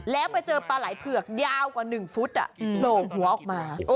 แล้วไปเจอปลาไหล่เผือกยาวกว่า๑ฟุตโผล่หัวออกมา